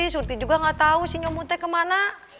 surti juga gak tau si nyomu teh kemana